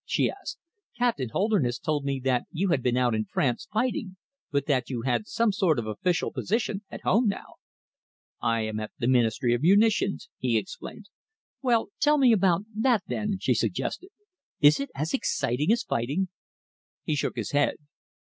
she asked. "Captain Holderness told me that you had been out in France, fighting, but that you had some sort of official position at home now." "I am at the Ministry of Munitions," he explained. "Well, tell me about that, then?" she suggested. "Is it as exciting as fighting?" He shook his head.